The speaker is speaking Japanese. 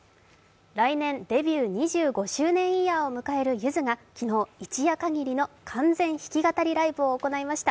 来年、デビュー２５周年イヤーを迎えるゆずが昨日、一夜限りの完全弾き語りライブを行いました。